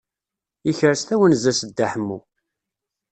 Yekres tawenza-s Dda Ḥemmu.